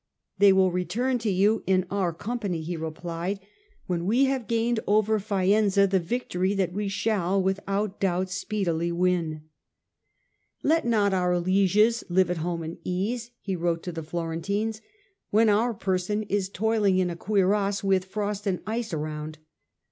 " They will return to you in our company," he replied, " when we have gained over Faenza the victory that we shall without doubt speedily win." " Let not our lieges live at home in ease," he wrote to the Florentines, " when our person is toiling in a cuirass with frost and ice around."